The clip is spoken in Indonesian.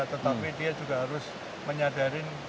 tetapi dia juga harus menyadari